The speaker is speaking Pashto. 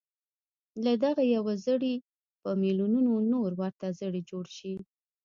له دغه يوه زړي په ميليونونو نور ورته زړي جوړ شي.